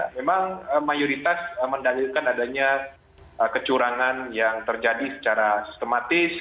memang mayoritas mendalilkan adanya kecurangan yang terjadi secara sistematis